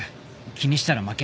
気にしたら負け。